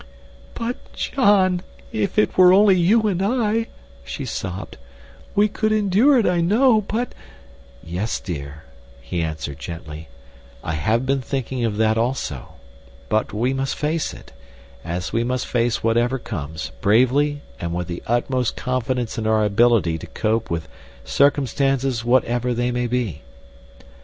"But John, if it were only you and I," she sobbed, "we could endure it I know; but—" "Yes, dear," he answered, gently, "I have been thinking of that, also; but we must face it, as we must face whatever comes, bravely and with the utmost confidence in our ability to cope with circumstances whatever they may be.